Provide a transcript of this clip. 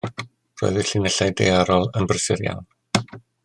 Roedd y llinellau daearol yn brysur iawn.